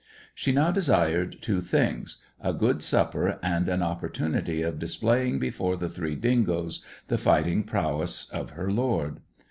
She now desired two things: a good supper and an opportunity of displaying before the three dingoes the fighting prowess of her lord.